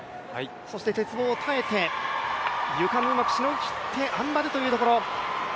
そして鉄棒を耐えてゆかもうまくしのぎきって、あん馬でというところ。